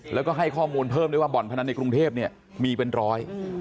แล้วก็ให้ข้อมูลเพิ่มด้วยว่าบ่อนพนันในกรุงเทพเนี่ยมีเป็นร้อย